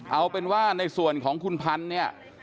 เอาเป็นว่าในส่วนของคุณพันธุ์เนี่ย